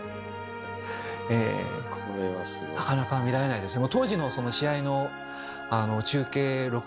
ええなかなか見られないですね。